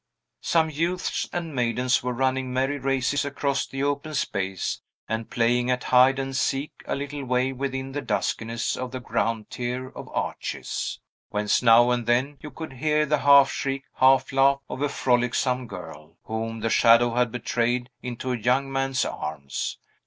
Some youths and maidens were running merry races across the open space, and playing at hide and seek a little way within the duskiness of the ground tier of arches, whence now and then you could hear the half shriek, halflaugh of a frolicsome girl, whom the shadow had betrayed into a young man's arms.